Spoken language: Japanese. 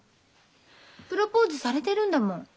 プロポーズされてるんだもん。